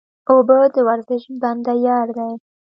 اوبه د ورزش بنده یار دی